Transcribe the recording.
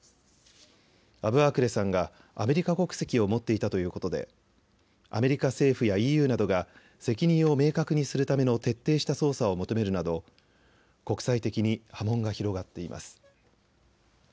アブアークレさんがアメリカ国籍を持っていたということでアメリカ政府やＥＵなどが責任を明確にするための徹底した捜査を求めるなど国際的に波紋が広がっています。